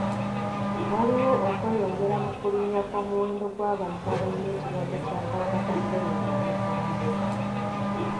Waliwo okweyongera mu kulinnya kw'omuwendo gw'abantu abayina ekirwadde ky'akawuka ka ssennyiga omukambwe.